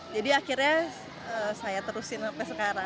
jadi akhirnya saya terusin sampai sekarang